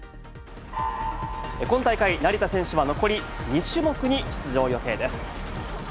今大会、成田選手は残り２種目に出場予定です。